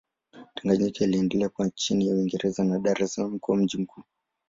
Tanganyika iliendelea kuwa chini ya Uingereza na Dar es Salaam kuwa mji mkuu.